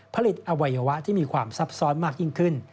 อวัยวะที่มีความซับซ้อนมากยิ่งขึ้น